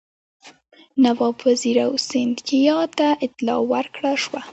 نواب وزیر او سیندهیا ته اطلاع ورکړه شوه.